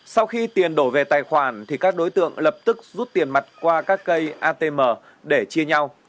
sau khi tiền đổ về tài khoản thì các đối tượng lập tức rút tiền mặt qua các cây atm để chia nhau